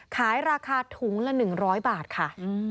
ขายราคาถุงละ๑๐๐บาทค่ะ